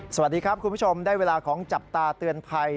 สวัสดีครับคุณผู้ชมได้เวลาของจับตาเตือนภัย